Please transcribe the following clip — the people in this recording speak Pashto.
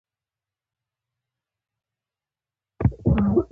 ځغاسته د بدن د توازن تمرین دی